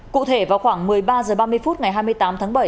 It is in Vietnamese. cụ thể vào khoảng một mươi ba h ba mươi phút ngày hai mươi tám tháng bảy